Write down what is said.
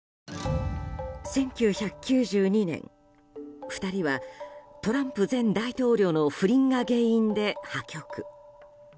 １９９２年２人はトランプ前大統領の不倫が原因で破局。